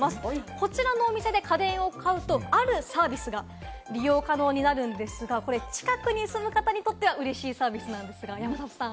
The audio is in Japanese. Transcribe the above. こちらのお店で家電を買うと、あるサービスが利用可能になるんですが、近くに住む方にとってはうれしいサービスですが、山里さん。